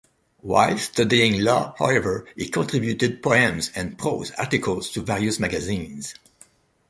While studying law, however, he contributed poems and prose articles to various magazines.